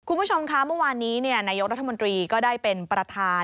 คุณผู้ชมคะเมื่อวานนี้นายกรัฐมนตรีก็ได้เป็นประธาน